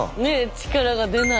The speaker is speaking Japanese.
「力が出ない」。